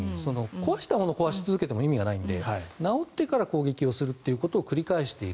壊したものを壊し続けても意味がないので直ってから攻撃をするということを繰り返している。